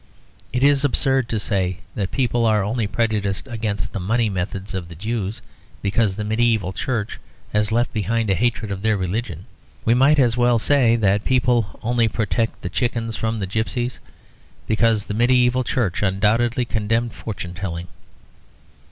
It is absurd to say that people are only prejudiced against the money methods of the Jews because the medieval church has left behind a hatred of their religion. We might as well say that people only protect the chickens from the gipsies because the medieval church undoubtedly condemned fortune telling.